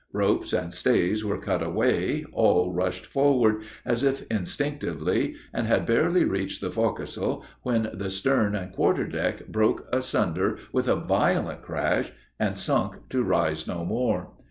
Ropes and stays were cut away all rushed forward, as if instinctively, and had barely reached the forecastle, when the stern and quarter deck broke asunder with a violent crash, and sunk to rise no more.